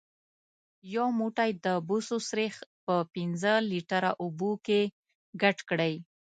یو موټی د بوسو سريښ په پنځه لیتره اوبو کې ګډ کړئ.